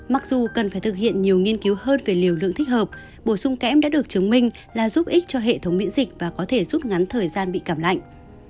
mặc dù cần phải thực hiện nhiều nghiên cứu hơn về liều lượng thích hợp bổ sung kẽm đã được chứng minh là giúp ích cho hệ thống miễn dịch và có thể giúp ngắn thời gian bị cảm lạnh